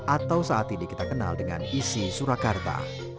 atau saat ini kita kenal dengan isi surakarta